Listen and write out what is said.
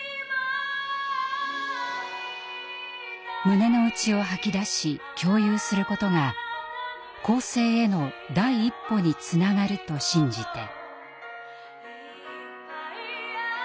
胸の内を吐き出し共有することが更生への第一歩につながると信じて。